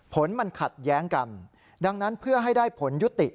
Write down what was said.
ผลมันขัดแย้งกันดังนั้นเพื่อให้ได้ผลยุติ